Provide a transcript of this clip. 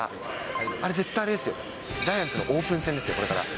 あれ絶対あれですよ、ジャイアンツのオープン戦ですよ、これから。